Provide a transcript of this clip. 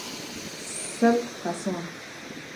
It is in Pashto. سل کسان.